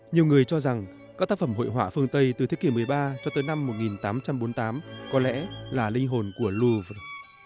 nhiều người cho rằng các tác phẩm hội họa phương tây từ thế kỷ một mươi ba cho tới năm một nghìn tám trăm bốn mươi tám có lẽ là linh hồn của louvre